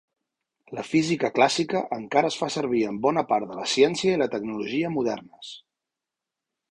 La física clàssica encara es fa servir en bona part de la ciència i la tecnologia modernes.